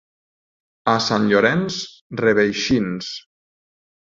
A Sant Llorenç, reveixins.